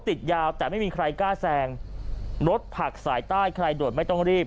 ติดยาวแต่ไม่มีใครกล้าแซงรถผักสายใต้ใครโดดไม่ต้องรีบ